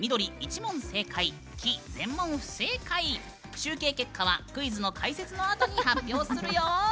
集計結果はクイズの解説のあとに発表するよ。